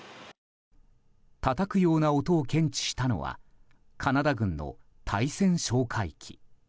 たたくような音を検知したのはカナダ軍の対潜哨戒機。